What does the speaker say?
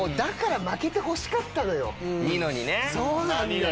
そうなんだよ。